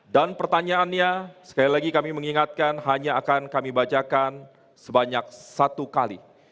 dan pertanyaannya sekali lagi kami mengingatkan hanya akan kami bacakan sebanyak satu kali